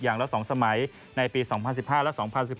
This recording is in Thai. อย่างแล้ว๒สมัยในปี๒๐๑๕และ๒๐๑๖